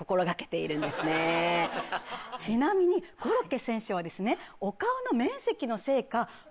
ちなみにコロッケ選手はですね。